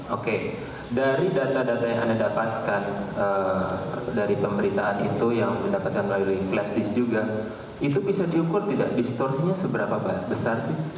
oke dari data data yang anda dapatkan dari pemberitaan itu yang didapatkan melalui flash disk juga itu bisa diukur tidak distorsinya seberapa besar sih